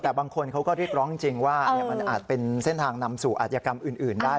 แต่บางคนเขาก็เรียกร้องจริงว่ามันอาจเป็นเส้นทางนำสู่อาจยกรรมอื่นได้